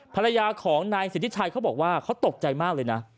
ภรรยาของนายสิทธิชัยเขาบอกว่าเขาตกใจมากเลยนะ